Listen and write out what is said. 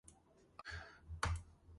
ჰავა ზომიერი, ოკეანისა.